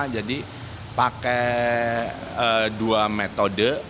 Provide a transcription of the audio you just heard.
jadi pakai dua metode